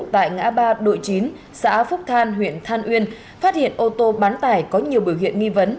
tại ngã ba đội chín xã phúc than huyện than uyên phát hiện ô tô bán tải có nhiều biểu hiện nghi vấn